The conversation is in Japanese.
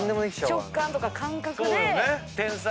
直感とか感覚で。